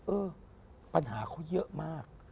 เออปัญหาเขาเยอะมาก